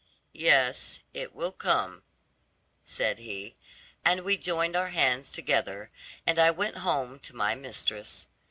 'Yes, it will come,' said he; and we joined our hands together, and I went home to my mistress.